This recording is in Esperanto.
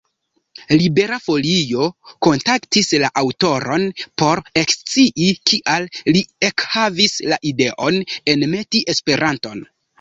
Libera Folio kontaktis la aŭtoron por ekscii, kial li ekhavis la ideon enmeti Esperanton.